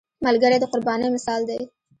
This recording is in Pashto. ملګری د قربانۍ مثال دی